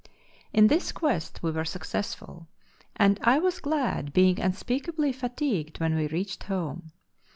In this quest we were successful: and I was glad, being unspeakably fatigued when we reached home.